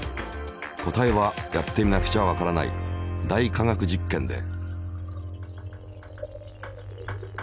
答えはやってみなくちゃわからない「大科学実験」で。